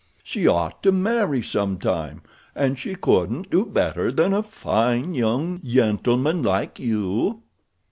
She ought to marry some time, and she couldn't do better than a fine young gentleman like you."